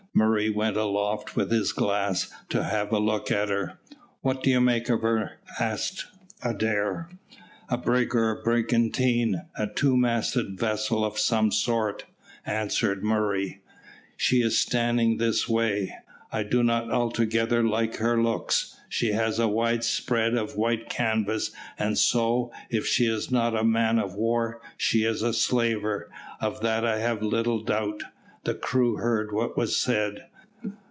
Murray went aloft with his glass to have a look at her. "What do you make her out?" asked Adair. "A brig or brigantine; a two masted vessel of some sort," answered Murray. "She is standing this way. I do not altogether like her looks. She has a widespread of white canvas, and so, if she is not a man of war, she is a slaver, of that I have little doubt." The crew heard what was said.